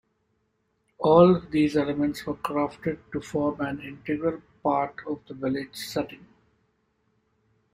All these elements were crafted to form an integral part of the village setting.